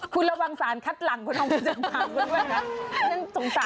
คุณระวังสารคัดหลังคุณต้องจัดการกันด้วยนะ